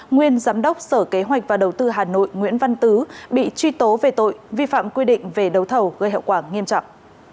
nguyên giám đốc sở kế hoạch và đầu tư hà nội nguyễn văn tứ bị truy tố về tội vi phạm quy định về đấu thầu gây hậu quả nghiêm trọng